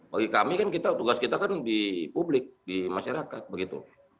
bagi kami kan tugas kita kan di publik di masyarakat begitu